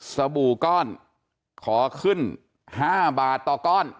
บู่ก้อนขอขึ้น๕บาทต่อก้อน